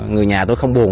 người nhà tôi không buồn